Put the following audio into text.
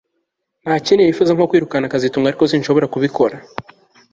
Nta kindi nifuza nko kwirukana kazitunga ariko sinshobora kubikora